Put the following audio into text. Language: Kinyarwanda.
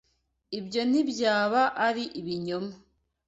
Ibyo ntibyaba ari ibinyoma.